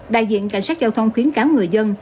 đại diện cảnh sát giao thông khuyến cáo người dân